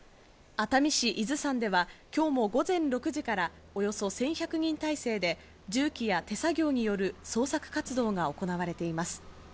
熱海市伊豆山では今日も午前６時からおよそ１１００人態勢で重機や手作業による捜索活動が行われています。